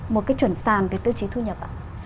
một cái chuẩn sàn về tiêu chí thu nhập